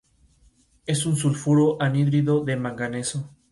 Sin duda, el personaje en cuestión tiene caracterizaciones muy feministas.